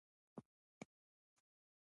هندوکش د افغانستان د بشري فرهنګ برخه ده.